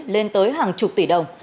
lên tới hàng chục tỷ đồng